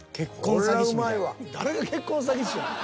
［誰が結婚詐欺師やねん］